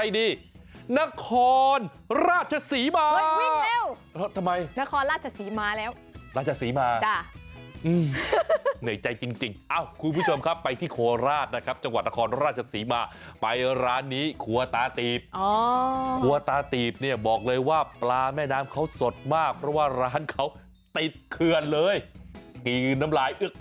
ได้เวลาแล้วนะนะ